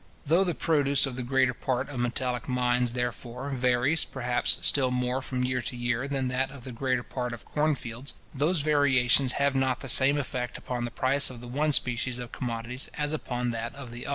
Though the produce of the greater part of metallic mines, therefore, varies, perhaps, still more from year to year than that of the greater part of corn fields, those variations have not the same effect upon the price of the one species of commodities as upon that of the other.